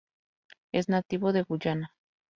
Es nativo de Guyana.